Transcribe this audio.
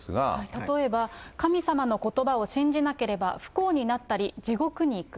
例えば、神様のことばを信じなければ不幸になったり、地獄に行く。